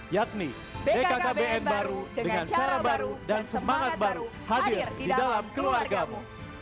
yakni bkkbn baru dengan cara baru dan semangat baru hadir di dalam keluargamu